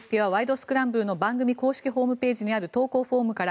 スクランブル」の番組公式ホームページにある投稿フォームから。